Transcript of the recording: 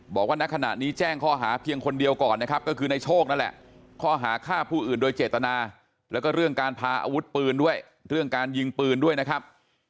ณขณะนี้แจ้งข้อหาเพียงคนเดียวก่อนนะครับก็คือในโชคนั่นแหละข้อหาฆ่าผู้อื่นโดยเจตนาแล้วก็เรื่องการพาอาวุธปืนด้วยเรื่องการยิงปืนด้วยนะครับ